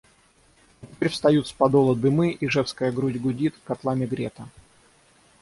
А теперь встают с Подола дымы, ижевская грудь гудит, котлами грета.